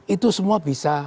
itu semua bisa